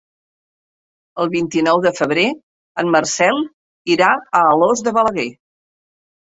El vint-i-nou de febrer en Marcel irà a Alòs de Balaguer.